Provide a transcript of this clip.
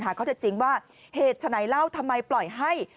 หากเขาจะจริงว่าเหตุไฉนเล่าทำไมปล่อยให้